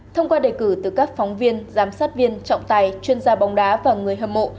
thông qua đề cử từ các phóng viên giám sát viên trọng tài chuyên gia bóng đá và người hâm mộ